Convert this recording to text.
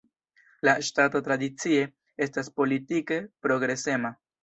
La ŝtato tradicie estas politike progresema.